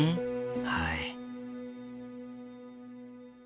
はい。